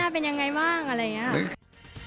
หน้าเป็นยังไงบ้างอะไรอย่างนี้